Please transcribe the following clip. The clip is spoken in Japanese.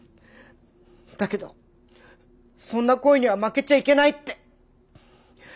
だけどそんな声には負けちゃいけないって。